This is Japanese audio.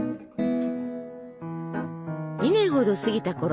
２年ほど過ぎたころ